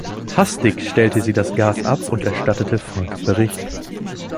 Hastig stellte sie das Gas ab und erstattete Frank Bericht.